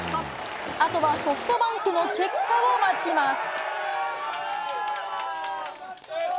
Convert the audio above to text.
あとはソフトバンクの結果を待ちます。